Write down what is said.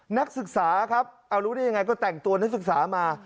นักศึกษาครับเอารู้ได้ยังไงก็แต่งตัวนักศึกษามา